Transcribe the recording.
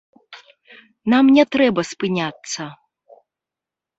Нам не трэба спыняцца.